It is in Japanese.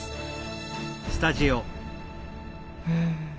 うん。